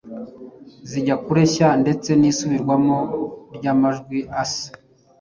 zijya kureshya ndetse n’isubirwamo ry’amajwi asa,